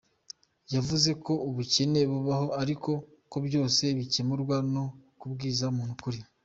Yavuze ko ubukene bubaho ariko ko byose bikemurwa no kubwiza umuntu ukuri.